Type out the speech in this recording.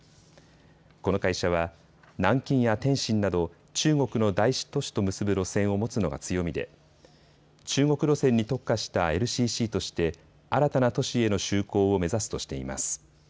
この会社は南京や天津など中国の大都市と結ぶ路線を持つのが強みで中国路線に特化したＬＣＣとして新たな都市への就航を目指すとしています。